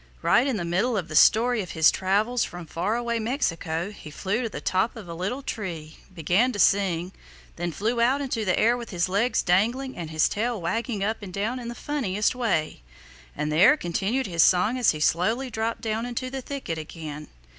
Right in the middle of the story of his travels from far away Mexico he flew to the top of a little tree, began to sing, then flew out into the air with his legs dangling and his tail wagging up and down in the funniest way, and there continued his song as he slowly dropped down into the thicket again.